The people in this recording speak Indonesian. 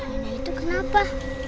ini merintuk kenapa